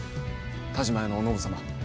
田嶋屋のお信様。